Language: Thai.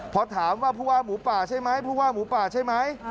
พอถามว่าผู้ว่าหมูป่าใช่ไหมผู้ว่าหมูป่าใช่ไหม